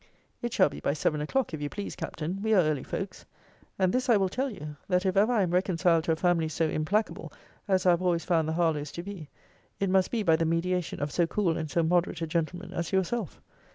It shall be by seven o'clock, if you please, Captain. We are early folks. And this I will tell you, that if ever I am reconciled to a family so implacable as I have always found the Harlowes to be, it must be by the mediation of so cool and so moderate a gentleman as yourself.